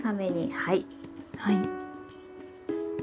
はい。